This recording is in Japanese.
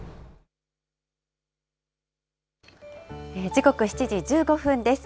時刻７時１５分です。